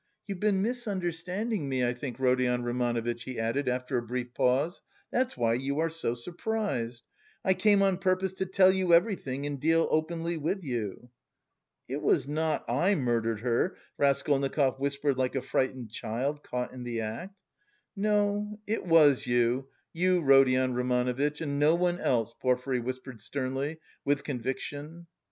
"You've been misunderstanding me, I think, Rodion Romanovitch," he added after a brief pause, "that's why you are so surprised. I came on purpose to tell you everything and deal openly with you." "It was not I murdered her," Raskolnikov whispered like a frightened child caught in the act. "No, it was you, you Rodion Romanovitch, and no one else," Porfiry whispered sternly, with conviction.